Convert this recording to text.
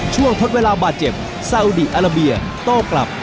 ทดเวลาบาดเจ็บซาอุดีอาราเบียโต้กลับ